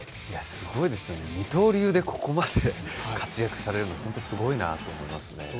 すごいですね、二刀流でここまで活躍されるのは、ホントすごいなと思います。